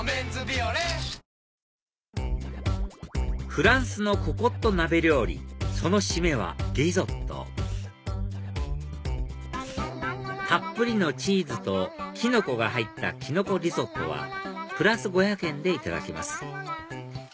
フランスのココット鍋料理その締めはリゾットたっぷりのチーズときのこが入ったきのこリゾットはプラス５００円でいただけます